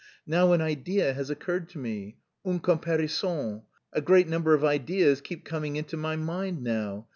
Now an idea has occurred to me; une comparaison. A great number of ideas keep coming into my mind now.